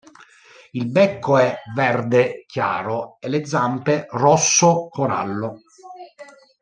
Il becco è verde chiaro, e le zampe rosso corallo.